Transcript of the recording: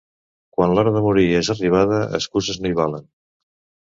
Quan l'hora de morir és arribada, excuses no hi valen.